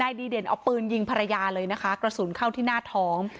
ดีเด่นเอาปืนยิงภรรยาเลยนะคะกระสุนเข้าที่หน้าท้อง